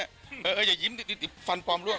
อย่ายิ้มฟันปลอมร่วม